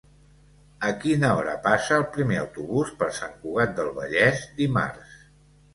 A quina hora passa el primer autobús per Sant Cugat del Vallès dimarts?